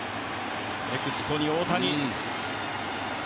ネクストに大谷。